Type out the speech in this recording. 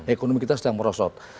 ekonomi kita sedang merosot